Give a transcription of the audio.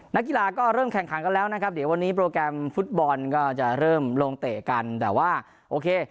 นักกีฬาก็เริ่มแข่งขันกันแล้วนะครับเดี๋ยววันนี้โปรแกรมฟุตบอลก็จะเริ่มลงเตะกันแต่ว่าโอเค